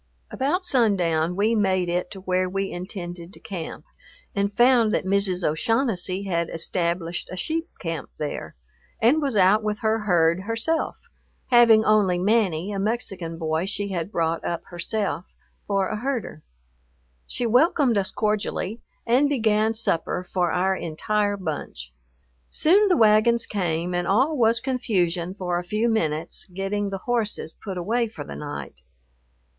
About sundown we made it to where we intended to camp and found that Mrs. O'Shaughnessy had established a sheep camp there, and was out with her herd herself, having only Manny, a Mexican boy she had brought up herself, for a herder. She welcomed us cordially and began supper for our entire bunch. Soon the wagons came, and all was confusion for a few minutes getting the horses put away for the night.